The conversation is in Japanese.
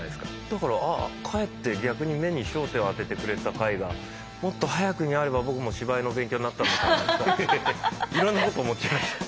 だからあかえって逆に目に焦点を当ててくれた回がもっと早くにあれば僕も芝居の勉強になったのかなとかいろんなこと思っちゃいました。